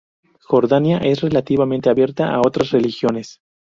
Jordania es relativamente abierta a otras religiones.